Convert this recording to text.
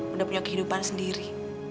udah punya kehidupan sendiri